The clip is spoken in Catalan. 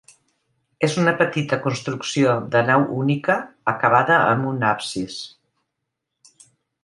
És una petita construcció de nau única, acabada amb un absis.